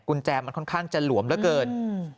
กุญแจมันค่อนข้างจะหลวมเหลือเกิน